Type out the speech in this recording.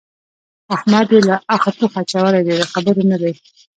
احمد يې له اخه توخه اچولی دی؛ د خبرو نه دی.